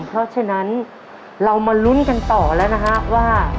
เพราะฉะนั้นเรามาลุ้นกันต่อแล้วนะครับว่า